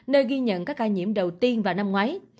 nơi ghi nhận các ca nhiễm đầu tiên vào năm ngoái